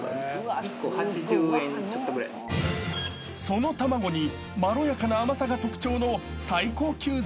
［その卵にまろやかな甘さが特徴の］